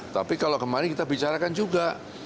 tapi kalau kemarin kita bicarakan juga